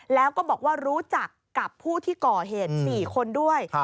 แล้วก็บอกว่ารู้จักกับผู้ที่ก่อเหตุ๔คนด้วย